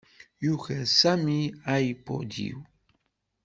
Yuker Sami iPod-iw.